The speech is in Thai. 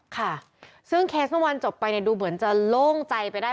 ค่ะซึ่งเคสเมื่อวานจบไปเนี่ยดูเหมือนจะโล่งใจไปได้